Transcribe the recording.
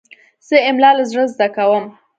زه املا له زړه زده کوم.